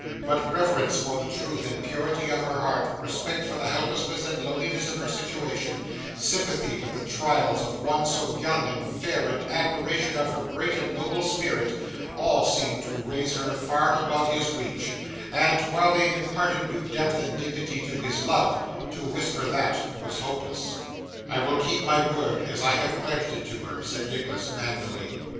But, reverence for the truth and purity of her heart, respect for the helplessness and loneliness of her situation, sympathy with the trials of one so young and fair and admiration of her great and noble spirit, all seemed to raise her far above his reach, and, while they imparted new depth and dignity to his love, to whisper that it was hopeless. 'I will keep my word, as I have pledged it to her,' said Nicholas, manfully.